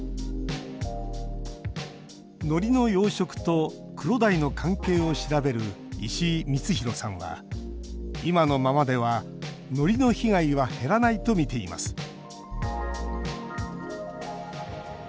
のりの養殖とクロダイの関係を調べる石井光廣さんは今のままでは、のりの被害は減らないとみています